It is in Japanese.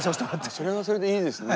それはそれでいいですね。